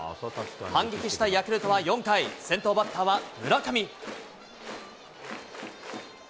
反撃したいヤクルトは４回、先頭バッターは村上。